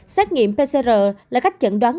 xét nghiệm pcr là cách chẩn đoán